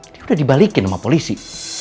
dia udah dibalikin sama polisi